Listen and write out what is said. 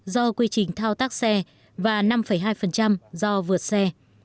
một mươi một ba do quy trình thao tác xe và năm hai do vượt xe